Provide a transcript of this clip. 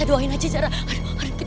aduh gawat gawat